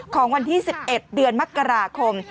ของวันที่๑๑เดือนมกราคม